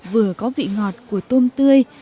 vừa có vị ngọt của tôm tươi